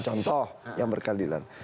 contoh yang berkeadilan